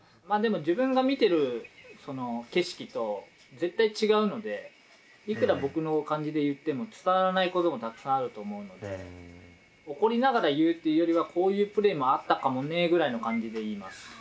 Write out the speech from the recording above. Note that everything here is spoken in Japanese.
まあでも自分が見てる景色と絶対違うのでいくら僕の感じで言っても伝わらないこともたくさんあると思うので怒りながら言うっていうよりはこういうプレーもあったかもねくらいの感じで言います